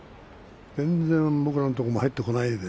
全然僕らのところにも入ってこない。